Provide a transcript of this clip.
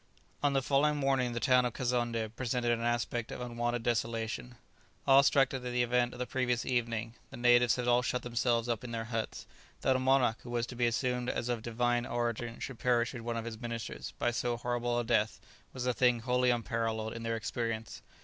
On the following morning the town of Kazonndé presented an aspect of unwonted desolation. Awe struck at the event of the previous evening, the natives had all shut themselves up in their huts. That a monarch who was to be assumed as of divine origin should perish with one of his ministers by so horrible a death was a thing wholly unparalleled in their experience.